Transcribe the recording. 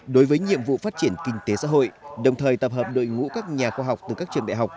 đối với nhiệm vụ phát triển kinh tế xã hội đồng thời tập hợp đội ngũ các nhà khoa học từ các trường đại học